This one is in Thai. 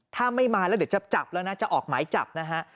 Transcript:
ถ้าไม่มาแล้วเดี๋ยวจะจับแล้วนะจะออกหมายจับนะฮะ